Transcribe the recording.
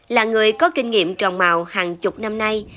là người có kinh nghiệm trồng màu hàng chục năm nay